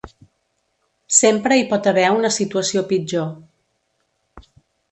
Sempre hi pot haver una situació pitjor.